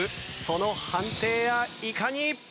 その判定やいかに！？